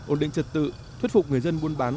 ổn định trật tự thuyết phục người dân buôn bán